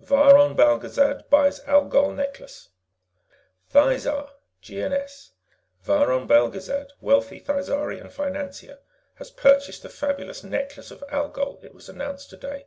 VIRON BELGEZAD BUYS ALGOL NECKLACE Thizar (GNS) Viron Belgezad, wealthy Thizarian financier, has purchased the fabulous Necklace of Algol, it was announced today.